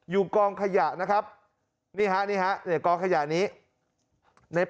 ยูงกล้องขยะนะครับนี่ฮะนี่ฮะกล้องขยะนี้